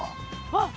あっ！